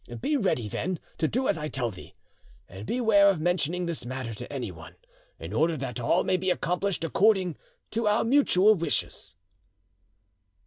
Be ready, then, to do as I tell thee, and beware of mentioning this matter to anyone, in order that all may be accomplished according to our mutual wishes."